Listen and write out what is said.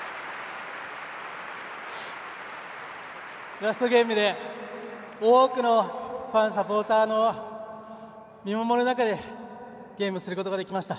ラストゲームで多くのファン、サポーターの見守る中でゲームすることができました。